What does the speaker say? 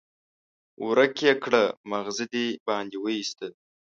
ورک يې کړه؛ ماغزه دې باندې واېستل.